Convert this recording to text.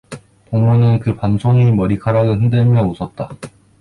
동무는 그 밤송이 머리카락을 흔들며 웃었다.